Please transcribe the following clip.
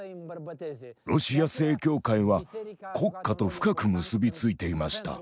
ロシア正教会は国家と深く結び付いていました。